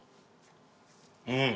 うん。